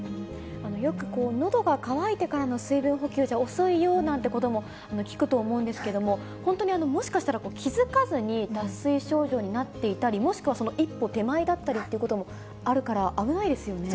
よくのどが渇いてからの水分補給じゃ遅いよなんてことも聞くと思うんですけれども、本当にもしかしたら気付かずに脱水症状になっていたり、もしくはその一歩手前だったりということもあるから、危ないですよね。